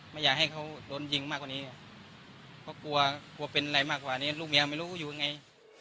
ไม่อยากให้เขาโดนยิงมากกว่านี้ไงเพราะกลัวกลัวเป็นอะไรมากกว่านี้ลูกเมียไม่รู้อยู่ยังไง